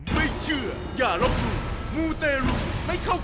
มูไนท์